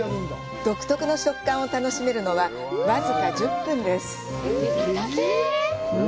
独特の食感を楽しめるのは僅か１０分です。